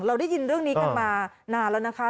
เราได้ยินเรื่องนี้กันมานานแล้วนะคะ